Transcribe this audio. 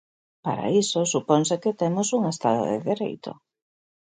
Para iso suponse que temos un estado de Dereito.